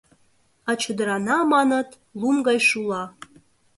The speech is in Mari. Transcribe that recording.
А чодырана, маныт, лум гай шула.